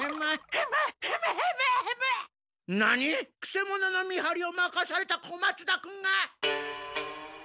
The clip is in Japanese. くせ者の見はりをまかされた小松田君が！？